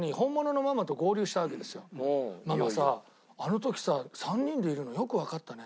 「ママさあの時さ３人でいるのよくわかったね」